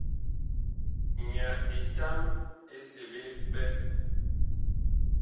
Nyaa etam ɛ seɓe pɛ.